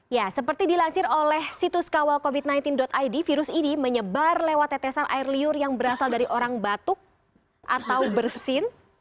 ya seperti dilansir oleh situs kawal covid sembilan belas id virus ini menyebar lewat tetesan air liur yang berasal dari orang batuk atau bersin